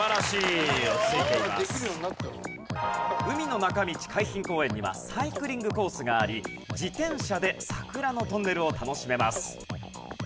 海の中道海浜公園にはサイクリングコースがあり自転車で桜のトンネルを楽しめます。